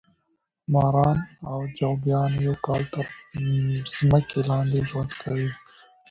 ماران او جوګیان یو کال تر مځکې لاندې ژوند کوي.